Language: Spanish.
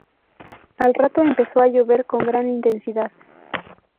Al rato empezó a llover con gran intensidad.